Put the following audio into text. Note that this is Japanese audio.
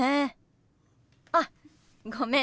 あごめん。